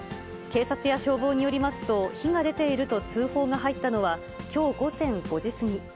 警察や消防によりますと、火が出ていると通報が入ったのは、きょう午前５時過ぎ。